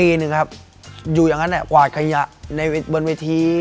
หนึ่งครับอยู่อย่างนั้นกวาดขยะในบนเวที